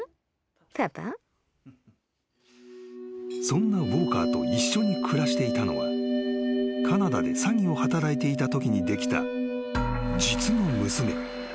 ［そんなウォーカーと一緒に暮らしていたのはカナダで詐欺を働いていたときにできた実の娘］